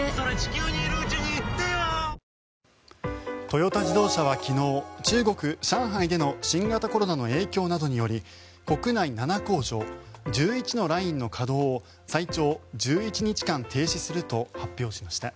トヨタ自動車は昨日中国・上海での新型コロナの影響などにより国内７工場１１のラインの稼働を最長１１日間停止すると発表しました。